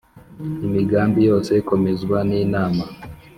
imigambi yose ikomezwa n’inama,